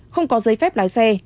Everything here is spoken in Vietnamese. không có giấy phép lái xe